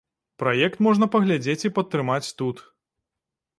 Праект можна паглядзець і падтрымаць тут.